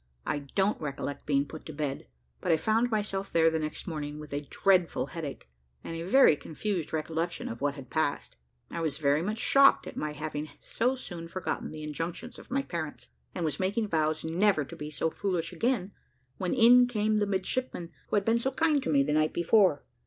I don't recollect being put to bed, but I found myself there the next morning with a dreadful head ache, and a very confused recollection of what had passed. I was very much shocked at my having so soon forgotten the injunctions of my parents, and was making vows never to be so foolish again, when in came the midshipman who had been so kind to me the night before.